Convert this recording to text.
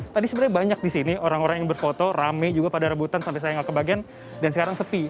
tadi sebenarnya banyak di sini orang orang yang berfoto rame juga pada rebutan sampai saya nggak kebagian dan sekarang sepi